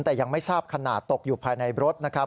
แต่ยังไม่ทราบขนาดตกอยู่ภายในรถนะครับ